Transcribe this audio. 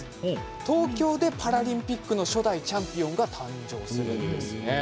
東京でパラリンピックの初代チャンピオンが誕生するんですね。